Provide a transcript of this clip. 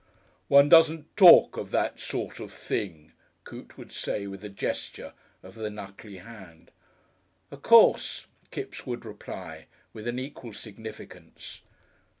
"One doesn't talk of that sort of thing," Coote would say with a gesture of the knuckly hand. "O' course," Kipps would reply, with an equal significance.